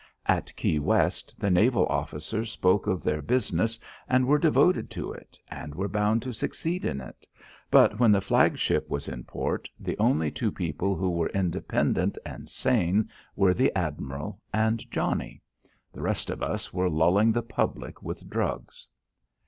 At Key West the naval officers spoke of their business and were devoted to it and were bound to succeed in it, but when the flag ship was in port the only two people who were independent and sane were the admiral and Johnnie. The rest of us were lulling the public with drugs.